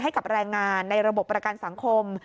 ให้กับแรงงานในระบบประกันสังคม